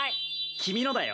君のだよ。